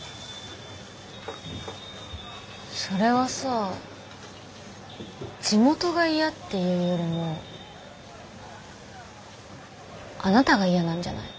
それはさ地元が嫌っていうよりもあなたが嫌なんじゃない？